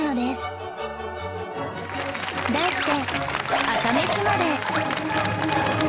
題して